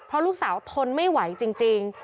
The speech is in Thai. เพราะลูกสาวทนไม่ไหวจริง